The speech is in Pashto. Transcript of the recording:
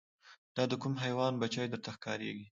دا د کوم حیوان بچی درته ښکاریږي